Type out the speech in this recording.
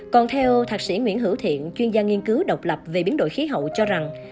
còn theo thạc sĩ nguyễn hữu thiện chuyên gia nghiên cứu độc lập về biến đổi khí hậu cho rằng